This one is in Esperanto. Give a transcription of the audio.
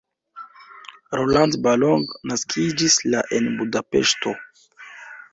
Roland Balogh naskiĝis la en Budapeŝto.